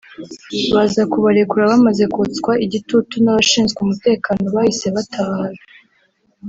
baza kubarekura bamaze kotswa igitutu n’abashinzwe umutekano bahise batabara